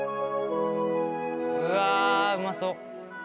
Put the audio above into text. うわあうまそう！